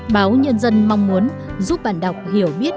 báo nhân dân mong muốn giúp bạn đọc hiểu biết